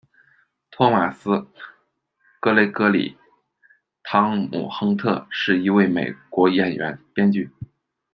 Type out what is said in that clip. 托马斯·格雷戈里“汤姆”·亨特，是一位美国演员、编剧。